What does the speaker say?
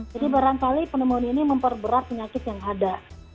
jadi barangkali pneumonia ini memperberat penyakit yang ada